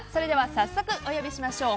早速お呼びしましょう。